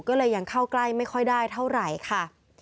ก็เลยยังเข้าใกล้ไม่ค่อยได้เท่าไหร่ค่ะ